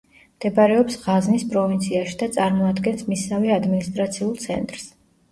მდებარეობს ღაზნის პროვინციაში და წარმოადგენს მისსავე ადმინისტრაციულ ცენტრს.